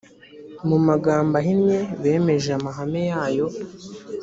mumagambo ahinnye bemeje amahame yayo